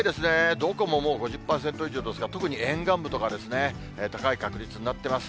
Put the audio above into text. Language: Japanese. どこももう５０％以上ですが、特に沿岸部とか、高い確率になっています。